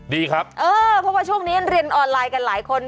ดีครับเออเพราะว่าช่วงนี้เรียนออนไลน์กันหลายคน